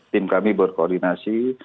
tim kami buat koordinasi